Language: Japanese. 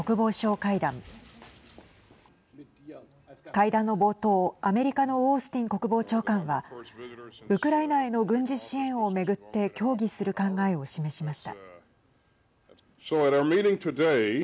会談の冒頭、アメリカのオースティン国防長官はウクライナへの軍事支援を巡って協議する考えを示しました。